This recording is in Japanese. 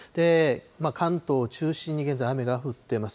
関東を中心に現在、雨が降っています。